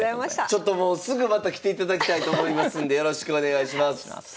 ちょっともうすぐまた来ていただきたいと思いますんでよろしくお願いします。